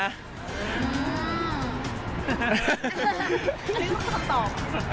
อันนี้ต้องคำตอบ